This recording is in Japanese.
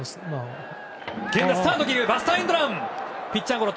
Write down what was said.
バスターエンドラン！